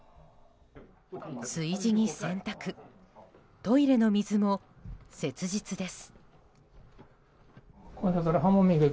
炊事に洗濯、トイレの水も切実です。